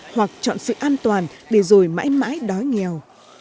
hoặc chọn sự an toàn để rồi mãi mãi đói nghèo